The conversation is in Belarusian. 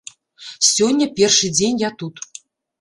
Сёння першы дзень я тут.